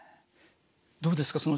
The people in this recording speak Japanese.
どうですか？